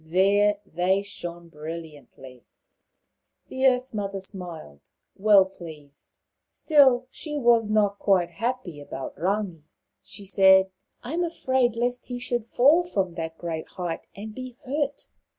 There they shone brilliantly. The Earth mother smiled, well pleased. Still, she was not quite happy about Rangi. She said, " I am afraid lest he should fall from that great height and be hurt."